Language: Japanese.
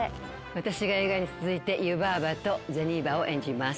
私が映画に続いて湯婆婆と銭婆を演じます。